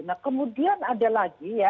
nah kemudian ada lagi ya